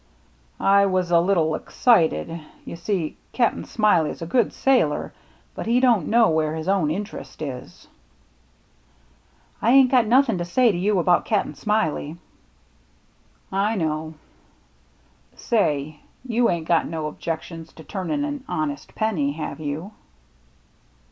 "I was a little excited. You see, Cap'n Smiley's a good sailor, but he don't know where his own interest is." " I ain't got nothin' to say to you about Cap'n Smiley." " I knowc Say, you ain't got no objections to turnin' an honest penny, have you